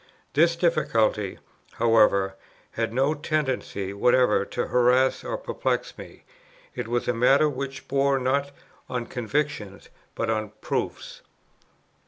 This difficulty, however, had no tendency whatever to harass or perplex me: it was a matter which bore not on convictions, but on proofs.